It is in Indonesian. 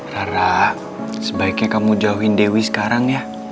rara sebaiknya kamu jauhin dewi sekarang ya